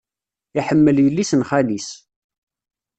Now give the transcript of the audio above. Iḥemmel yelli-s n xali-s.